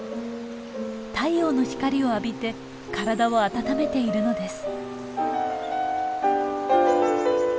太陽の光を浴びて体を温めているのです。